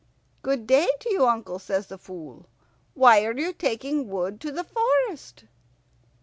"Good day to you, uncle," says the Fool. "Why are you taking wood to the forest?"